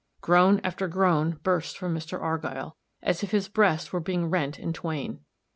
Groan after groan burst from Mr. Argyll, as if his breast were being rent in twain.